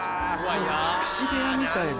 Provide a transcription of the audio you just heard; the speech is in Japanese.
隠し部屋みたいな。